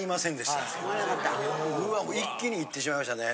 一気にいってしまいましたね。